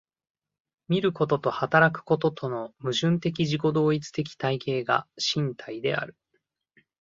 見ることと働くこととの矛盾的自己同一的体系が身体である。